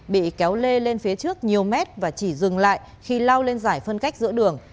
bị kéo lê lên phía trước nhiều mét và chỉ dừng lại khi lao lên giải phân cách giữa đường